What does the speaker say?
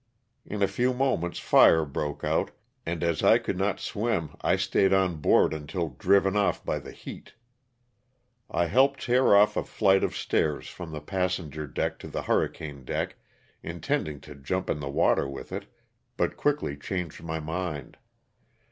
In a few moments fire broke out, and as I could not swim I stayed on board until driven olf by the heat. I helped tear off a flight of stairs from the passenger deck to the hurricane deck, intending to jump in the water with it, but quickly changed ray mind.